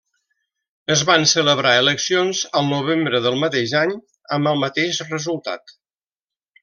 Es van celebrar eleccions al novembre del mateix any, amb el mateix resultat.